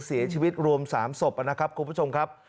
เสียชีวิตรวม๓ศพนะครับคุณผู้ชมครับ